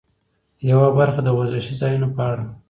یوه برخه د وزرشي ځایونو په اړه.